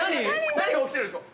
何が起きてるんですか？